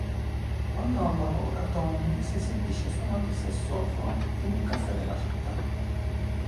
Quando non lavora, Tony si esibisce suonando il sassofono in un caffè della città.